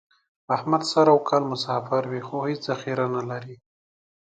احمد سر او کال مسافر وي، خو هېڅ ذخیره نه لري.